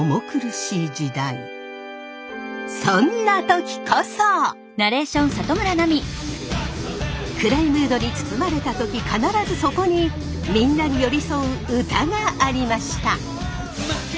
暗いムードに包まれた時必ずそこにみんなに寄りそう歌がありました。